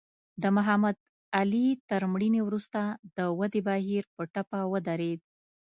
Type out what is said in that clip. د محمد علي تر مړینې وروسته د ودې بهیر په ټپه ودرېد.